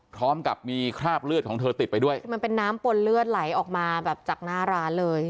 พร้อมกับมีคราบเลือดของเธอติดไปด้วยมันเป็นน้ำปนเลือดไหลออกมาแบบจากหน้าร้านเลย